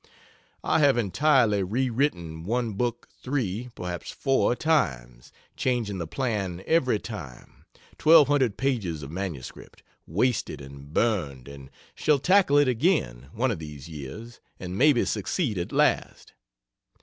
I have entirely rewritten one book 3 (perhaps 4.) times, changing the plan every time 1200 pages of MS. wasted and burned and shall tackle it again, one of these years and maybe succeed at last.